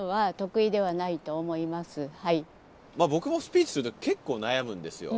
僕もスピーチする時結構悩むんですよ。